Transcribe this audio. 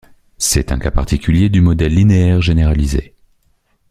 C'est un cas particulier du modèle linéaire généralisé.